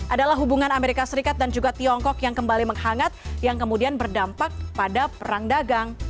adalah hubungan amerika serikat dan juga tiongkok yang kembali menghangat yang kemudian berdampak pada perang dagang